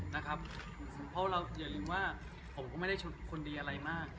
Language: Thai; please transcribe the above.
นะครับเพราะเราเดี๋ยวลืมว่าผมก็ไม่ได้ชนคนดีอะไรมาก